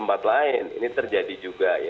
tempat lain ini terjadi juga